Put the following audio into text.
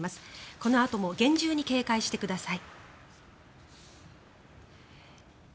このあとも厳重に警戒してください。